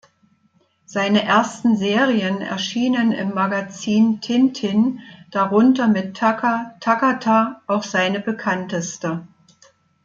Seine ersten Serien erschienen im Magazin "Tintin", darunter mit "Taka Takata" auch seine bekannteste.